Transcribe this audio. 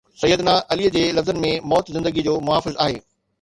سيد نه عليءَ جي لفظن ۾ موت زندگيءَ جو محافظ آهي.